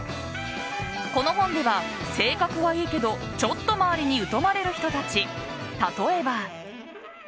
この本では、性格はいいけどちょっと周りに疎まれる人たち例えば。